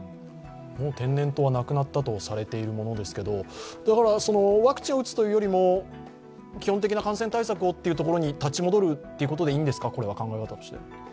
天然痘はなくなったとされているものですけれども、ワクチンを打つというよりも基本的な感染対策をっていうところに立ち戻るっていう感じでいいですか？